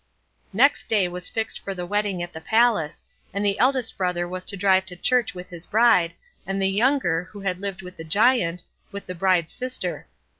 Next day was fixed for the wedding at the palace, and the eldest brother was to drive to church with his bride, and the younger, who had lived with the Giant, with the bride's sister.